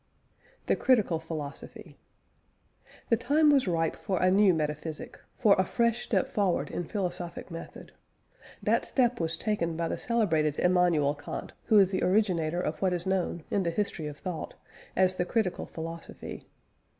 THE CRITICAL PHILOSOPHY. The time was ripe for a new metaphysic for a fresh step forward in philosophic method. That step was taken by the celebrated Immanuel Kant, who is the originator of what is known, in the history of thought, as the Critical Philosophy.